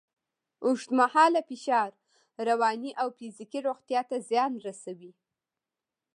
اوږدمهاله فشار رواني او فزیکي روغتیا ته زیان رسوي.